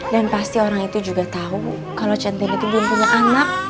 dan pasti orang itu juga tahu kalau centin itu belum punya anak